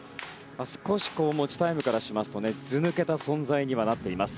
少し持ちタイムからしますとずぬけた存在になっています。